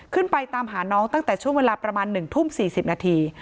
ไปตามหาน้องตั้งแต่ช่วงเวลาประมาณ๑ทุ่ม๔๐นาที